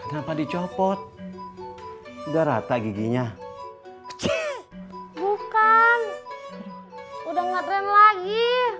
hai apa apa dicopot udah rata giginya bukan udah ngedrain lagi